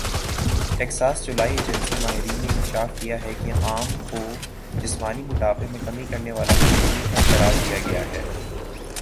Texas جولائی agency ماہرین نے انکشاف کیا ہے کہ آم کو جسمانی موٹاپے میں کمی کرنے والا بہترین پھل قرار دیا گیا ہے